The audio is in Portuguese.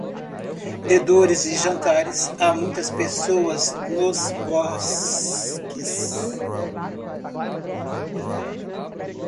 De dores e jantares, há muitas pessoas nos boxes.